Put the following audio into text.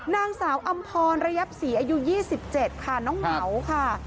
นางสาวอำพรระยับสี่อายุยี่สิบเจ็ดค่ะน้องเหมาค่ะ